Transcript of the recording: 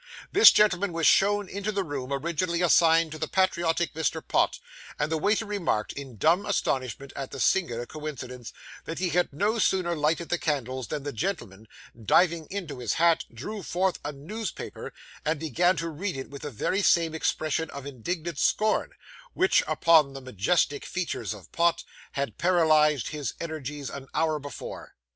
This gentleman was shown into the room originally assigned to the patriotic Mr. Pott; and the waiter remarked, in dumb astonishment at the singular coincidence, that he had no sooner lighted the candles than the gentleman, diving into his hat, drew forth a newspaper, and began to read it with the very same expression of indignant scorn, which, upon the majestic features of Pott, had paralysed his energies an hour before.